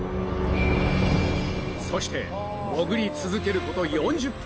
そして潜り続けること４０分！